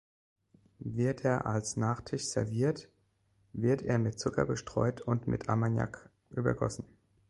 Wird er als Nachtisch serviert, wird er mit Zucker bestreut und mit Armagnac übergossen.